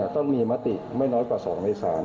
มแล้วมีมติก็มาในสาร